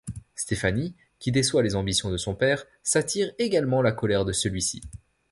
Stéphanie, qui déçoit les ambitions de son père, s'attire également la colère de celui-ci.